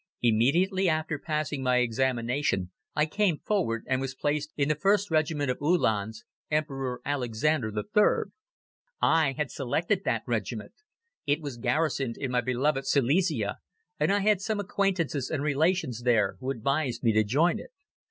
Immediately after passing my examination I came forward and was placed in the 1st Regiment of Uhlans, "Emperor Alexander III." I had selected that regiment. It was garrisoned in my beloved Silesia and I had some acquaintances and relations there, who advised me to join it.